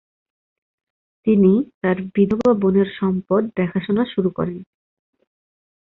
তিনি তার বিধবা বোনের সম্পদ দেখাশোনা শুরু করেন।